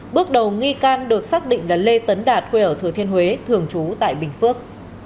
bước đầu nghi can được xác định là lê tấn đạt quê ở thừa thiên huế thường trú tại bình phước